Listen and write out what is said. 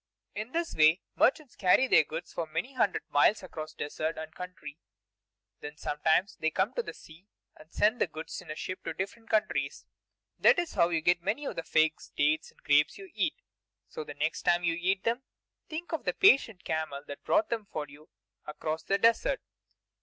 In this way merchants carry their goods for many hundred miles across desert and country. Then sometimes they come to the sea and send the goods in ships to different countries. That is how you get many of the figs, dates, and grapes you eat; so the next time you eat them, think of the patient camel that brought them for you across the desert.